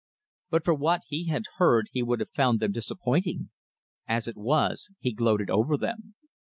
But for what he had heard he would have found them disappointing. As it was, he gloated over them.